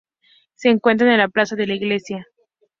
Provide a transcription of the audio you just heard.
Se encuentra en la plaza de la Iglesia.